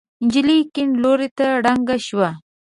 نجلۍ کيڼ لور ته ړنګه شوه.